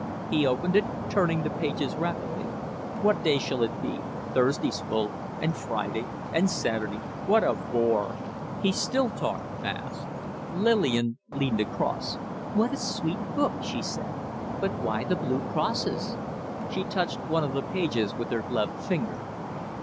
He opened it, turning the pages rapidly. "What day shall it be? Thursday's full and Friday and Saturday. What a bore!" He still talked fast. Lillian leaned across. "What a sweet book!" she said. "But why the blue crosses?" She touched one of the pages with her gloved finger.